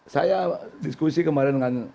saya diskusi kemarin dengan